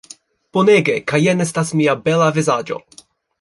Bonege kaj jen estas mia bela vizaĝo